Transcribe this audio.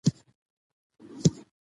پښتو ژبه زموږ ملي هویت دی.